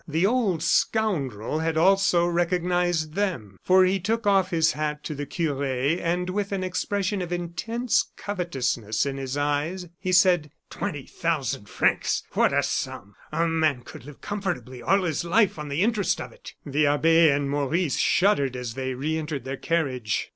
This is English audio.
The old scoundrel had also recognized them, for he took off his hat to the cure, and with an expression of intense covetousness in his eyes, he said: "Twenty thousand francs! what a sum! A man could live comfortably all his life on the interest of it." The abbe and Maurice shuddered as they re entered their carriage.